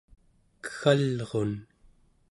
keggalrun